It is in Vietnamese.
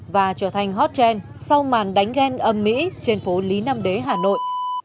và trở thành hot trend sau màn đánh ghen âm mỹ trên phố lý nam đế hà nội